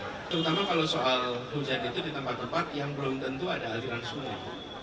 terutama kalau soal hujan itu di tempat tempat yang belum tentu ada aliran sungai